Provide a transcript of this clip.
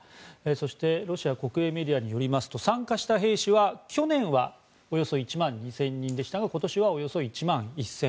そしてロシア国営メディアによりますと参加した兵士は去年はおよそ１万２０００人でしたが今年はおよそ１万１０００人と。